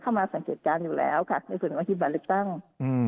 มาสังเกตการณ์อยู่แล้วค่ะในส่วนของทีมบัตรเลือกตั้งอืม